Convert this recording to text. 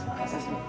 terima kasih umi